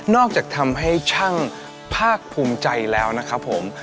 จากทำให้ช่างภาคภูมิใจแล้วนะครับผม